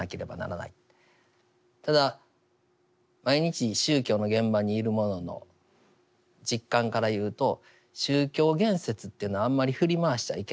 ただ毎日宗教の現場にいる者の実感から言うと宗教言説っていうのはあんまり振り回しちゃいけない。